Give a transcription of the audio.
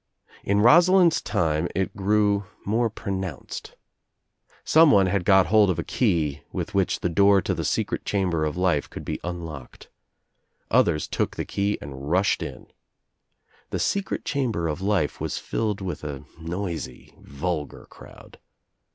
In Rosalind's time it grew more pronounced. Someone had got hold of a key with which the door to the secret chamber of life could be unlocked. Others took the key and rushed in. The secret chamber of life was filled with a noisy vulgar crowd.